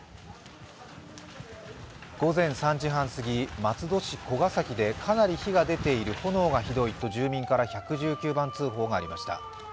午前３時半すぎ、松戸市古ケ崎でかなり火が出ている炎がひどいと住民から１１９番通報がありました。